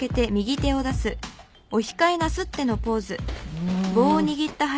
うん。